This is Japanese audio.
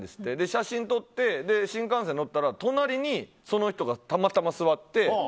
写真撮って、新幹線乗ったら隣にその人が、たまたま座って。